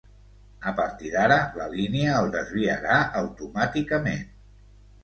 A partir d'ara la línia el desviarà automàticament.